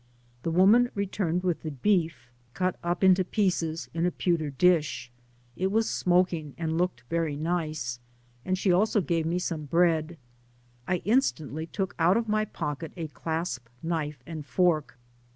The woman returned with the beef cut up into pieces, in a pewter dish; it was smok ing, and looked very nice ; and she also gave me some bread. I instantly took out of my pocket a clasp knife and fork.